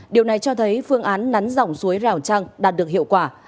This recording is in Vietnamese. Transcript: điều này cho thấy phương án nắn dòng suối rào trăng đạt được hiệu quả